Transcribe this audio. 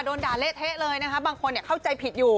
โดนด่าเละเทะเลยนะคะบางคนเข้าใจผิดอยู่